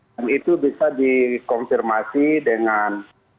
dan itu bisa dikonfirmasi dengan